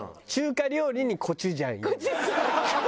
コチュジャン！